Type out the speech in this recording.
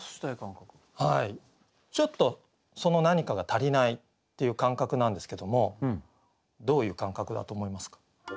ちょっとその何かが足りないっていう感覚なんですけどもどういう感覚だと思いますか？